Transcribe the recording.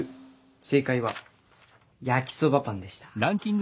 正解は焼きそばパンでした。